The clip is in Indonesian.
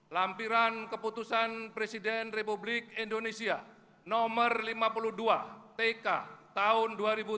lampiran keputusan presiden republik indonesia nomor lima puluh dua tk tahun dua ribu tujuh belas